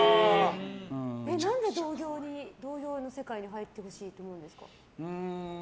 なんで同業の世界に入ってほしいと思うんですか？